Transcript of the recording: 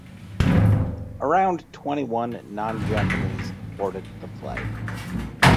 Around twenty-one non-Japanese boarded the flight.